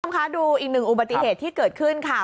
คุณผู้ชมคะดูอีกหนึ่งอุบัติเหตุที่เกิดขึ้นค่ะ